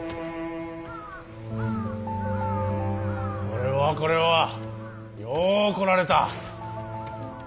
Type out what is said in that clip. これはこれはよう来られた。